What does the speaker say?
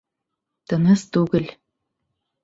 — Тыныс түгел.